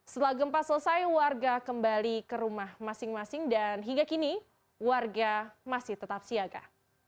setelah gempa selesai warga kembali ke rumah masing masing dan hingga kini warga masih tetap siaga